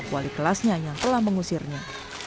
wali kelasnya yang telah mengusirnya